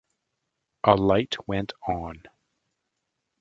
A light went on.